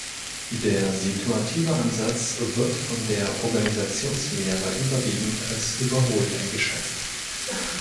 Der situative Ansatz wird von der Organisationslehre überwiegend als überholt eingeschätzt.